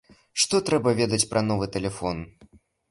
Што трэба ведаць пра новы тэлефон?